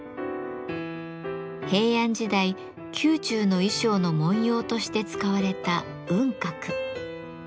平安時代宮中の衣装の文様として使われた「雲鶴」。